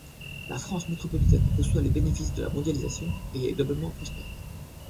La France métropolitaine reçoit les bénéfices de la mondialisation et est globalement prospère.